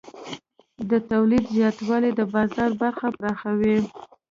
د تولید زیاتوالی د بازار برخه پراخوي.